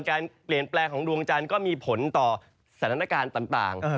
การเปลี่ยนแปลงของดวงจันทร์ก็มีผลต่อสถานการณ์ต่าง